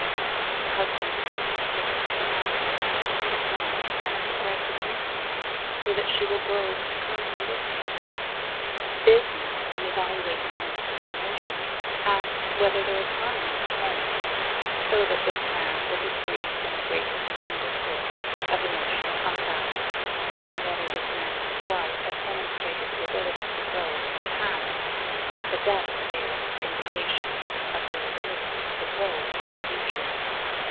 The husband asks his wife for harmony at home and a progressive instinct so that she will grow concurrently with him. Business, when evaluating men for promotion, asks whether there is harmony at home so that this man will be free from the greatest single source of emotional unbalance, and whether this man and his wife have demonstrated the ability to grow in the past the best available indication of their ability to grow in the future.